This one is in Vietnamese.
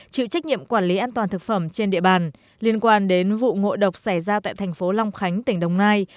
chịu trách nhiệm quản lý an toàn thực phẩm trên địa bàn liên quan đến vụ ngộ độc xảy ra tại thành phố long khánh tỉnh đồng nai